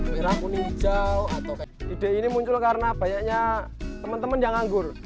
pertama ini adalah ide yang muncul karena banyaknya temen temen yang nganggur